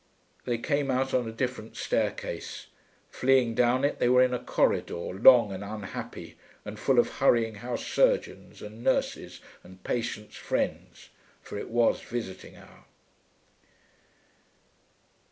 They came out on a different staircase; fleeing down it they were in a corridor, long and unhappy and full of hurrying housesurgeons and nurses and patients' friends (for it was visiting hour).